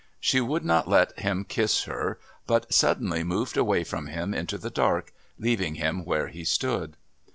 She would not let him kiss her, but suddenly moved away from him, into the dark, leaving him where he stood.